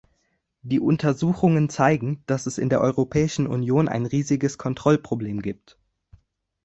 Die Untersuchungen zeigen, dass es in der Europäischen Union ein riesiges Kontrollproblem gibt.